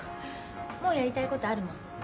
もうやりたいことあるもん。